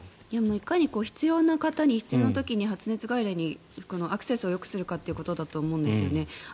いかに必要な方に必要な時に発熱外来のアクセスをよくするかということだと思うんですよね。